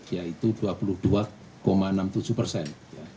yaitu dua puluh dua enam puluh tujuh persen